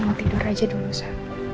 aku mau tidur aja dulu sa